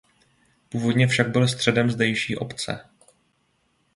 Původně však byl středem zdejší obce.